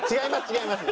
違います！